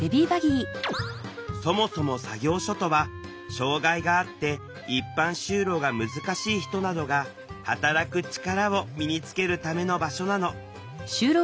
そもそも作業所とは障害があって一般就労が難しい人などが働く力を身につけるための場所なの。